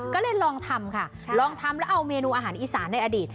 ก็เลยลองทำค่ะลองทำแล้วเอาเมนูอาหารอีสานในอดีต